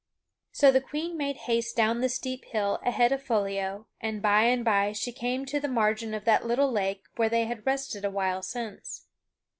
So the Queen made haste down the steep hill ahead of Foliot and by and by she came to the margin of that little lake where they had rested awhile since.